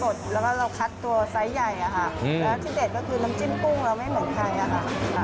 แล้วที่เด็ดก็คือน้ำจิ้มกุ้งเราไม่เหมือนใคร